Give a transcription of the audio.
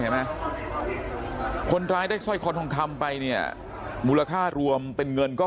เห็นไหมคนร้ายได้ซ่อยคอนทองคัมไปเนี่ยมูลค่ารวมเป็นเงินก็๒๔๐๐๐๐๐